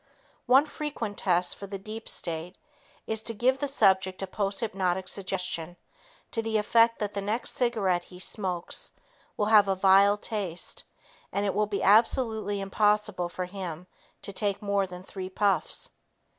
One frequent test for the deep state is to give the subject a posthypnotic suggestion to the effect that the next cigarette he smokes will have a vile taste and it will be absolutely impossible for him to take more than three puffs.